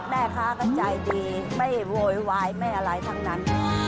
แม่ค้าก็ใจดีไม่โวยวายไม่อะไรทั้งนั้น